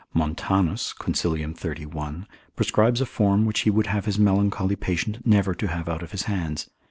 Montanus, consil. 31, prescribes a form which he would have his melancholy patient never to have out of his hands.